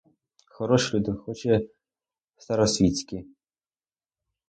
Хороші люди, хоч і старосвітські.